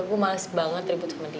aku males banget ribut sama dia